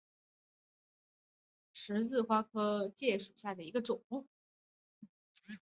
具葶离子芥为十字花科离子芥属下的一个种。